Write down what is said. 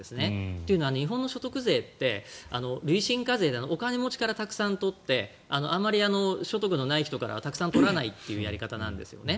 というのは日本の所得税って累進課税でお金持ちからたくさん取ってあまり所得のない人からはたくさん取らないというやり方なんですね。